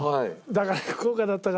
だから福岡だったからね